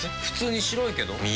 普通に白いけど。